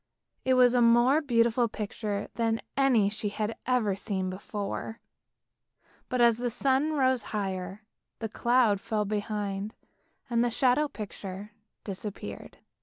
It was a more beautiful picture than any she had ever seen before, but as the sun rose higher, the cloud fell behind, and the shadow picture disappeared.